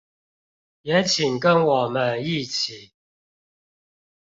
也請跟我們一起